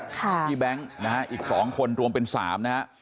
ที่แบงค์นะครับอีก๒คนรวมเป็น๓นะครับ